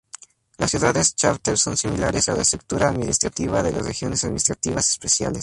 Las ciudades chárter son similares a la estructura administrativa de las regiones administrativas especiales.